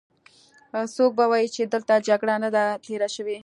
څوک به وايې چې دلته جګړه نه ده تېره شوې.